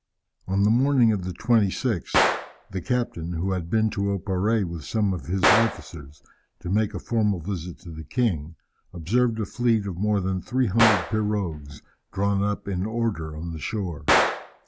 On the morning of the 26th, the captain, who had been to Oparrée with some of his officers, to make a formal visit to the king, observed a fleet of more than 300 pirogues, drawn up in order on the shore.